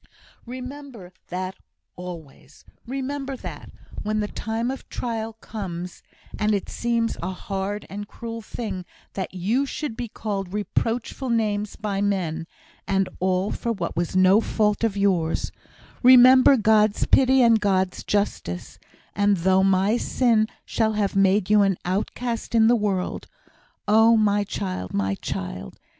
"Remember that, always. Remember that, when the time of trial comes and it seems a hard and cruel thing that you should be called reproachful names by men, and all for what was no fault of yours remember God's pity and God's justice; and though my sin shall have made you an outcast in the world oh, my child, my child!"